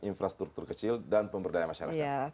infrastruktur kecil dan pemberdayaan masyarakat